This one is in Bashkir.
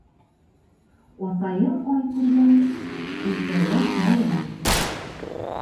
Атайым ай күргән, иртәгә байрам икән.